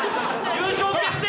優勝決定戦！？